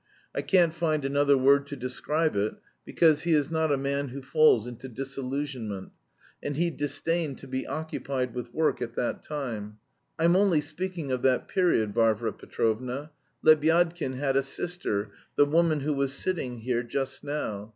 I can't find another word to describe it, because he is not a man who falls into disillusionment, and he disdained to be occupied with work at that time. I'm only speaking of that period, Varvara Petrovna. Lebyadkin had a sister, the woman who was sitting here just now.